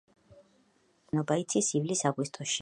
მაქსიმალური წყლიანობა იცის ივლის-აგვისტოში.